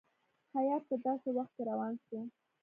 هیات په داسي وخت کې روان شو.